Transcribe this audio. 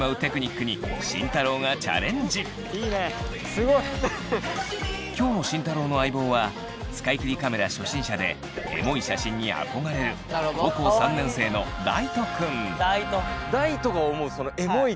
すごい！今日の慎太郎の相棒は使い切りカメラ初心者でエモい写真に憧れる高校３年生の大翔くん。